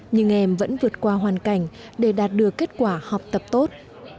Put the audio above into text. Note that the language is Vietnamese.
nhưng em vẫn vượt qua hoàn cảnh để đạt được kết quả học tập tốt